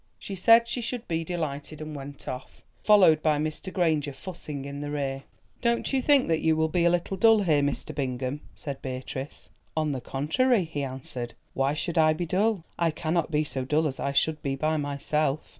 She said she should be delighted and went off, followed by Mr. Granger fussing in the rear. "Don't you think that you will be a little dull here, Mr. Bingham?" said Beatrice. "On the contrary," he answered. "Why should I be dull? I cannot be so dull as I should be by myself."